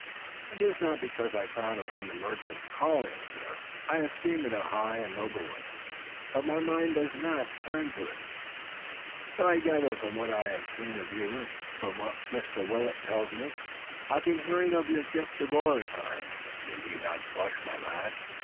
"It is not because I frown upon the merchant's calling, sir. I esteem it a high and noble one. But my mind does not turn to it." "So I gather from what I have seen of you, and from what Mr. Willet tells me. I've been hearing of your gift of oratory. You need not blush, my lad.